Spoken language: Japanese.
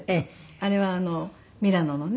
あれはミラノのね